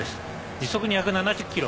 時速２７０キロ。